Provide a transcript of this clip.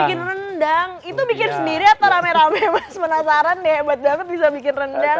bikin rendang itu bikin sendiri atau rame rame mas penasaran deh hebat banget bisa bikin rendang